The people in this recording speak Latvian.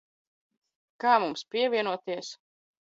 Kā mums pievienoties?